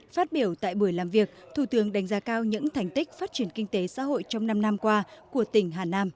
phát biểu tại buổi làm việc thủ tướng đánh giá cao những thành tích phát triển kinh tế xã hội trong năm năm qua của tỉnh hà nam